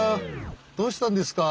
どうしたんですか？